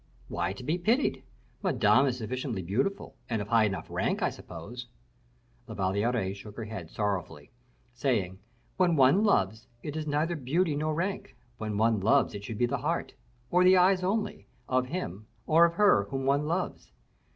"Why to be pitied? Madame is sufficiently beautiful, and of high enough rank, I suppose." La Valliere shook her head sorrowfully, saying, "When one loves, it is neither beauty nor rank; when one loves it should be the heart, or the eyes only, of him, or of her whom one loves."